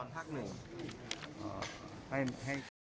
ให้ให้